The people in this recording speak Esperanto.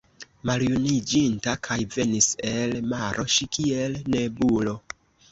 Maljuniĝinta, kaj venis el maro ŝi kiel nebulo